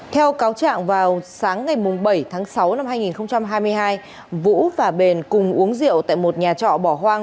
theo cáo trạng vào sáng ngày bảy tháng sáu năm hai nghìn hai mươi hai vũ và bền cùng uống rượu tại một nhà trọ bỏ hoang